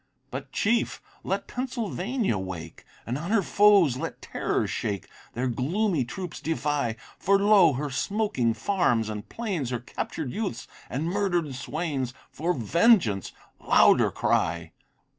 But chief, let Pennsylvania wake, And on her foes let terrors shake, Their gloomy troops defy; For, lo! her smoking farms and plains, Her captured youths, and murder'd swains, For vengeance louder cry.